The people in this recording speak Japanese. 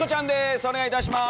お願いいたします。